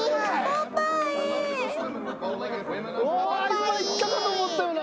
今いったかと思ったよな。